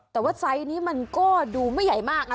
แต่ว่าไซส์นี้มันก็ดูไม่ใหญ่มากนะ